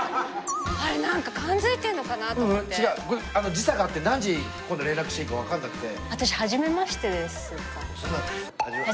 時差があって何時今度連絡していいか分かんなくて。